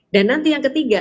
dan nanti yang ketiga